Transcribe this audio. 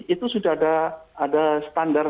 itu sudah ada standar